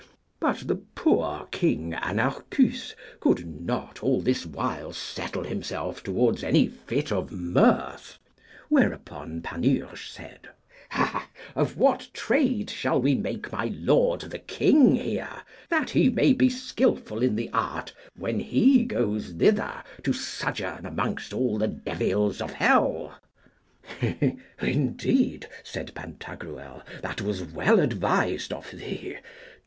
But the poor King Anarchus could not all this while settle himself towards any fit of mirth; whereupon Panurge said, Of what trade shall we make my lord the king here, that he may be skilful in the art when he goes thither to sojourn amongst all the devils of hell? Indeed, said Pantagruel, that was well advised of thee.